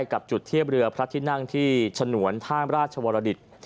กับจุดเทียบเรือพระที่นั่งที่ฉนวนท่ามราชวรดิต